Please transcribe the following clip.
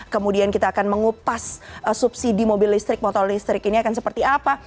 kemudian kita akan mengupas subsidi mobil listrik motor listrik ini akan seperti apa